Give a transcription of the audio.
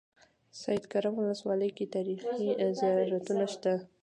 سیدکرم ولسوالۍ کې تاریخي زيارتونه شته.